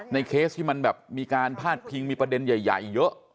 เคสที่มันแบบมีการพาดพิงมีประเด็นใหญ่เยอะ